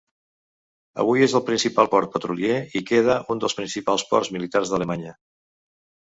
Avui és el principal port petrolier i queda un dels principals ports militars d'Alemanya.